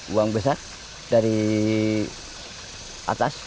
buang besar dari atas